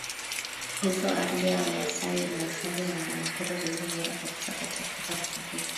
Hivyo ardhi ya Wamasai ina hifadhi za Wanyamapori zilizo bora kabisa kote Afrika Mashariki